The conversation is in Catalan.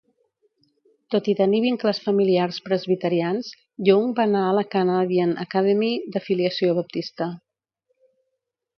Tot i tenir vincles familiars presbiterians, Young va anar a la Canadian Academy, d'afiliació baptista.